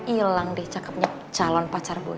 ilang deh cakepnya calon pacar boy